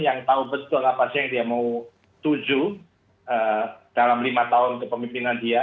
yang tahu betul apa sih yang dia mau tuju dalam lima tahun kepemimpinan dia